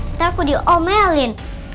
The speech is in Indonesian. ntar aku diomelin